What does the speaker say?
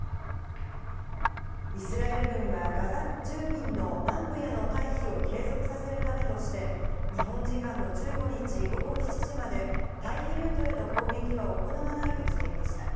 イスラエル軍はガザ住民の南部への退避を継続させるためとして、日本時間の１５日午後７時まで、退避ルートへの攻撃は行わないとしていました。